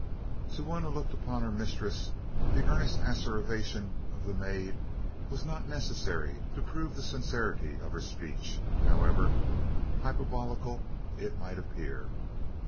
To one who looked upon her mistress, the earnest asseveration of the maid was not necessary to prove the sincerity of her speech, however hyperbolical it might appear.